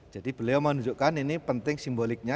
jadi beliau menunjukkan ini penting simboliknya